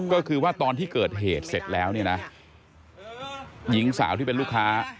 ก็คือว่าตอนที่เกิดเหตุเสร็จแล้วเนี่ยนะหญิงสาวที่เป็นลูกค้า